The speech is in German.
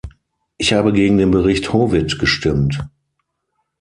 Ich habe gegen den Bericht Howitt gestimmt.